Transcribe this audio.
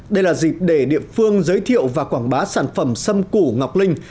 đây là dịp để địa phương giới thiệu và quảng bá sản phẩm sâm củ ngọc linh